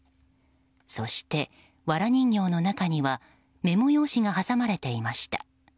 そして、わら人形の中にはメモ用紙が挟まれていました。